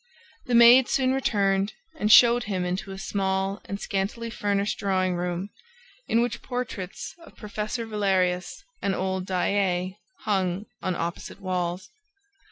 The maid soon returned and showed him into a small and scantily furnished drawing room, in which portraits of Professor Valerius and old Daae hung on opposite walls.